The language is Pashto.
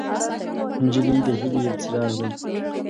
نجلۍ د هیلې یو څراغ دی.